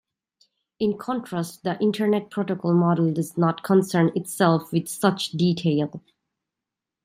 In contrast, the Internet Protocol model does not concern itself with such detail.